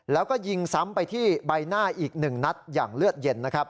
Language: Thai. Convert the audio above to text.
แล้วก็ยิงซ้ำไปที่ใบหน้าอีก๑นัดอย่างเลือดเย็นนะครับ